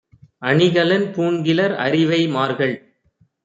அணிகலன் பூண்கிலர் அரிவை மார்கள்!